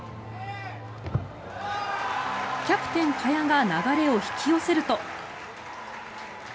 キャプテン萱が流れを引き寄せると。